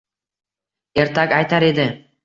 ertak aytar edi.